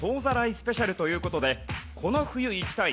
スペシャルという事でこの冬行きたい！